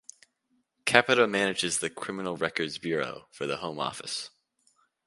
Capita manages the Criminal Records Bureau for the Home Office.